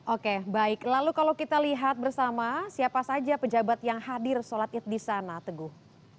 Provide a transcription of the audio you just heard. oke baik lalu kalau kita lihat bersama siapa saja pejabat yang hadir sholat id di sana teguh